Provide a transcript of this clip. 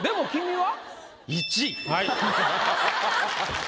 はい。